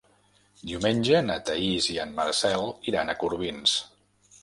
Diumenge na Thaís i en Marcel iran a Corbins.